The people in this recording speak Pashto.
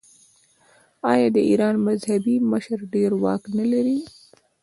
آیا د ایران مذهبي مشر ډیر واک نلري؟